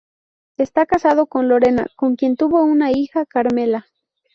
Está casado con Lorena, con quien tuvo una hija, Carmela.